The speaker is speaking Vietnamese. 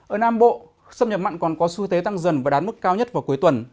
ở nam bộ xâm nhập mặn còn có xu thế tăng dần và đán mức cao nhất vào cuối tuần